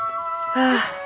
ああ。